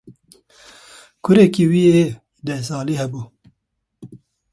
Kurekî xwe ê dehsalî hebû.